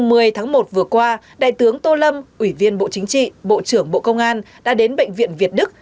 ngày một mươi tháng một vừa qua đại tướng tô lâm ủy viên bộ chính trị bộ trưởng bộ công an đã đến bệnh viện việt đức